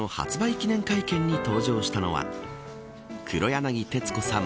記念会見に登場したのは黒柳徹子さん